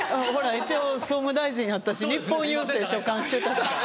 一応総務大臣やったし日本郵政所管してたから。